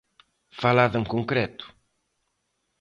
Falade en concreto.